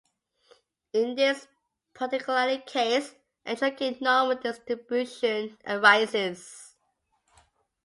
In this particular case, a truncated normal distribution arises.